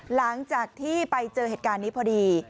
หลังจากที่ไปเจอเหตุการณ์นี้พอดี